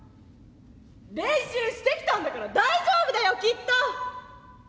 練習してきたんだから大丈夫だよきっと！